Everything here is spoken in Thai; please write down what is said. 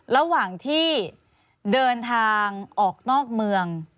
ระหว่างที่เดินทางออกนอกเมือง